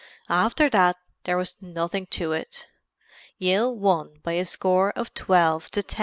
After that there was nothing to it. Yale won by a score of 12 to 10.